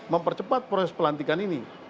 mempercepat proses pelantikan ini